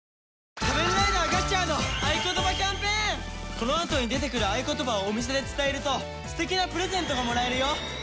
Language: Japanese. このあとに出てくる合言葉をお店で伝えると素敵なプレゼントがもらえるよ！